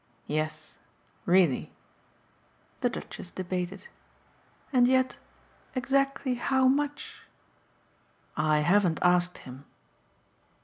"Yes really." The Duchess debated. "And yet exactly how much?" "I haven't asked him."